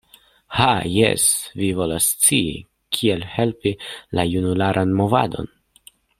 Ha, jes, vi volas scii kiel helpi la junularan movadon.